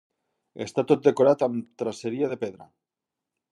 Està tot decorat amb traceria de pedra.